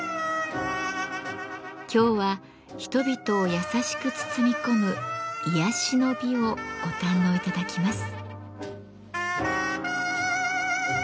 今日は人々を優しく包み込む癒やしの美をご堪能頂きます。